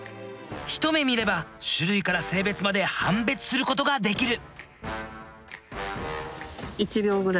一目見れば種類から性別まで判別することができる。